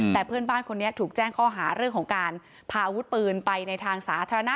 แต่เพื่อนบ้านคนนี้ถูกแจ้งข้อหาเรื่องของการพาอาวุธปืนไปในทางสาธารณะ